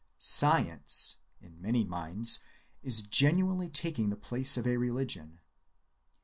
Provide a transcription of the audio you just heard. "Science" in many minds is genuinely taking the place of a religion.